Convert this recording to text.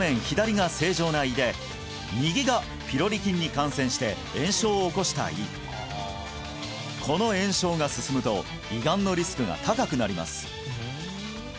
左が正常な胃で右がピロリ菌に感染して炎症を起こした胃この炎症が進むと胃がんのリスクが高くなります